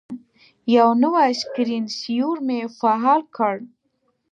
یو نوی سکرین سیور مې فعال کړ.